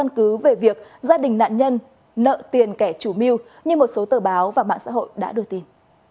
nhưng nợ tiền kẻ chủ mưu như một số tờ báo và mạng xã hội đã đưa tin